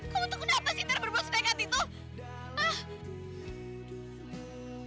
kamu tuh kenapa sih ter berbual senang hati tuh